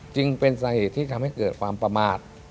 จึงเป็นสาเหตุที่ทำให้เกิดความประมาท